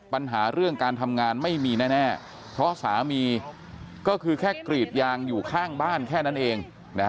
ปัญหาเรื่องการทำงานไม่มีแน่เพราะสามีก็คือแค่กรีดยางอยู่ข้างบ้านแค่นั้นเอง